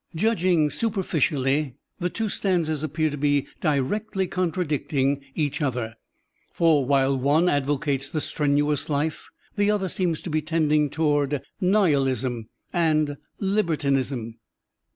Judging superficially, the two stanzas appear to be directly contradicting each other, for while one advocates the strenuous life the other seems to be tending to nihilism and liber Digitized by Google THE MIDDLE WAY 93 tinism.